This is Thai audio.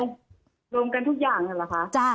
รวมกันทุกอย่างเลยเหรอคะ